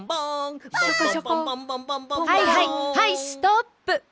はいはいはいストップ！